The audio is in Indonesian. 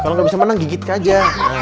kalau nggak bisa menang gigit aja